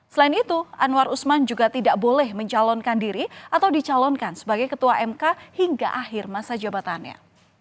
selain itu anwar usman juga tidak boleh mencalonkan diri atau dicalonkan sebagai ketua mk hingga akhir masa jabatannya